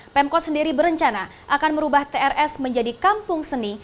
pemkot sendiri berencana akan merubah trs menjadi kampung seni